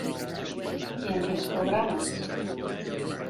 I en quins programes?